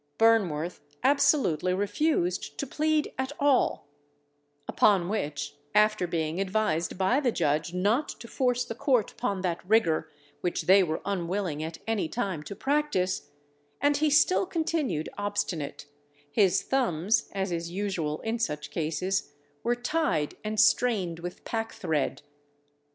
Burnworth absolutely refused to plead at all; upon which, after being advised by the judge not to force the Court upon that rigour which they were unwilling at any time to practice, and he still continuing obstinate, his thumbs (as is usual in such cases) were tied and strained with pack thread.